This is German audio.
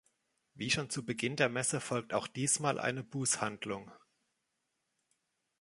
Wie schon zu Beginn der Messe folgt auch diesmal eine Bußhandlung.